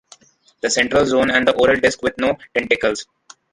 The central zone and the oral disk with no tentacles.